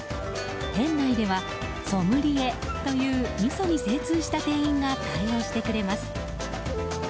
店内では噌ムリエというみそに精通した店員が対応してくれます。